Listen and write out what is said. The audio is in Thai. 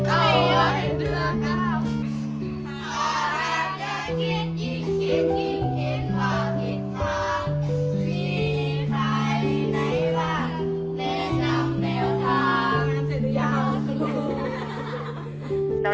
สวัสดีครับทุกคน